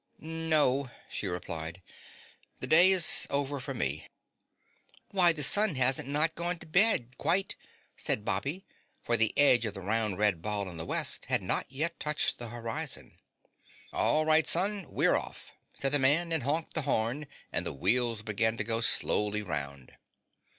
"No," she replied, "the day is over for me. "Why, the sun hasn't not gone to bed quite," said Bobby, for the edge of the round, red ball in the West had not yet touched the horizon. "All right, son, we're off," said the man and honked the horn, and the wheels began to go slowly 'round.